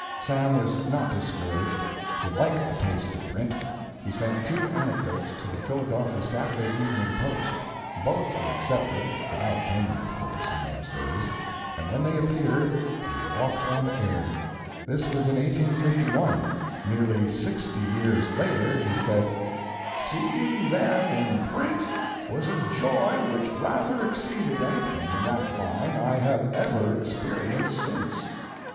Sam was not discouraged. He liked the taste of print. He sent two anecdotes to the Philadelphia Saturday Evening Post. Both were accepted without payment, of course, in those days and when they appeared he walked on air. This was in 1851. Nearly sixty years later he said: "Seeing them in print was a joy which rather exceeded anything in that line I have ever experienced since."